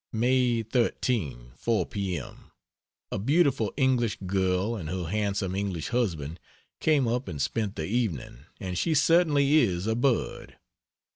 May 13, 4 p. m. A beautiful English girl and her handsome English husband came up and spent the evening, and she certainly is a bird.